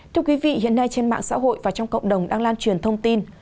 thưa quý vị hiện nay trên mạng xã hội và trong cộng đồng đang lan truyền thông tin